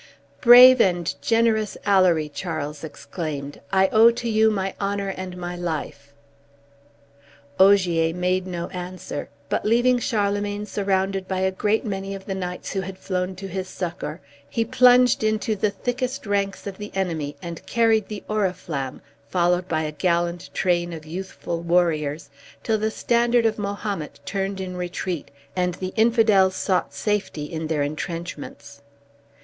"Brave and generous Alory!" Charles exclaimed, "I owe to you my honor and my life!" Ogier made no answer; but, leaving Charlemagne surrounded by a great many of the knights who had flown to his succor, he plunged into the thickest ranks of the enemy, and carried the Oriflamme, followed by a gallant train of youthful warriors, till the standard of Mahomet turned in retreat, and the Infidels sought safety in their intrenchments.